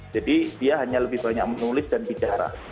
jadi dia hanya lebih banyak menulis dan bicara